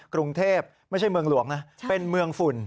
กรุงเทพไม่ใช่เมืองหลวงนะเป็นเมืองฝุ่น